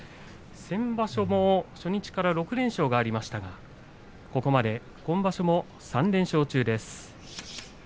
先場所も初日から６連勝がありましたがここまで、今場所も３連勝中です。